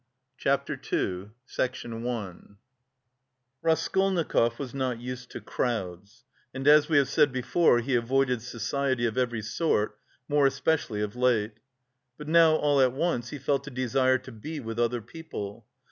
CHAPTER II Raskolnikov was not used to crowds, and, as we said before, he avoided society of every sort, more especially of late. But now all at once he felt a desire to be with other people.